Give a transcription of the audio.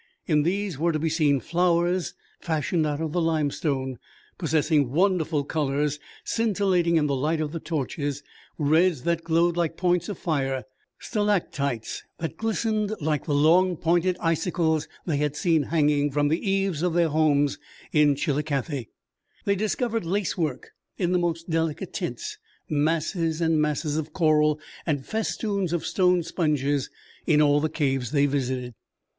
In these were to be seen flowers fashioned out of the limestone, possessing wonderful colors, scintillating in the light of the torches, reds that glowed like points of fire, stalactites that glistened like the long, pointed icicles they had seen hanging from the eaves of their homes in Chillicothe. They discovered lace work in most delicate tints, masses and masses of coral and festoons of stone sponges in all the caves they visited.